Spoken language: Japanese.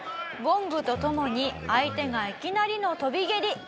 ゴングとともに相手がいきなりの飛び蹴り。